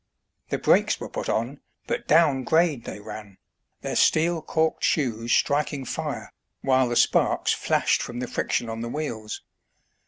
The brakes were put on, but down grade they ran, their steel corked shoes striking fire, while the sparks flashed from the friction on the wheels.